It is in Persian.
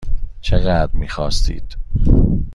چقدر میخواستید؟